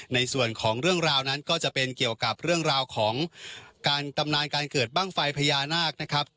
ในส่วนของเรื่องราวนั้นก็จะเป็นเกี่ยวกับเรื่องราวของการตำนานการเกิดบ้างไฟพญานาคนะครับ